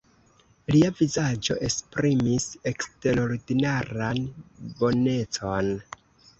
Lia vizaĝo esprimis eksterordinaran bonecon.